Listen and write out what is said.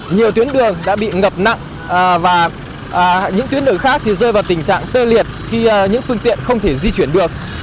nhiều tuyến đường đã bị ngập nặng và những tuyến đường khác thì rơi vào tình trạng tê liệt khi những phương tiện không thể di chuyển được